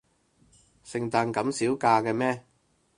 聖誕咁少假嘅咩？